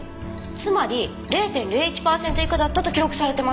つまり０．０１パーセント以下だったと記録されてます。